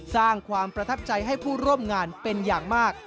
สร้างความประทับใจให้ผู้ร่วมงานเป็นอย่างมาก